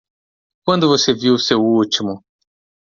Quando você viu seu último?